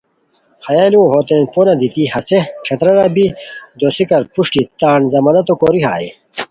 ہیہ لُوؤ ہتوتین پون دیتی ہسے ݯھترارا بی دوسیکار پروشٹی تان ضمانتو کوری ہائے